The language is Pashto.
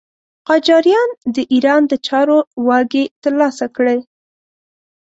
قاجاریان د ایران د چارو واګې تر لاسه کړې.